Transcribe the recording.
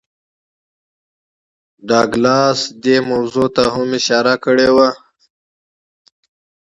ډاګلاس دې موضوع ته هم اشارې کړې وې